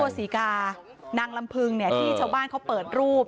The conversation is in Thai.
แล้วตัวสีกานางลำพึงเนี่ยที่ชาวบ้านเขาเปิดรูป